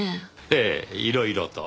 ええいろいろと。